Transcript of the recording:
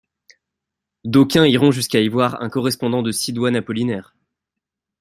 D’aucuns irons jusqu’à y voir un correspondant de Sidoine Apollinaire.